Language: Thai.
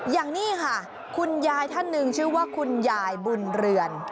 อย่างนี้ค่ะคุณยายท่านหนึ่งชื่อว่าคุณยายบุญเรือน